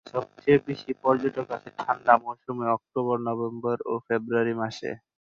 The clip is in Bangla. সবচেয়ে বেশি পর্যটক আসে ঠান্ডা মৌসুমে অক্টোবর, নভেম্বর ও ফেব্রুয়ারি মাসে।